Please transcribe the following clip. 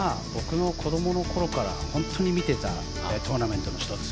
子供のころから本当に見ていたトーナメントの一つ。